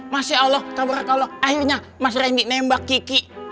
masya allah kabar akaloh akhirnya mas reddy nembak kiki